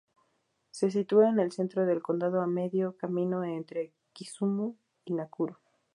Se sitúa en el centro del condado, a medio camino entre Kisumu y Nakuru.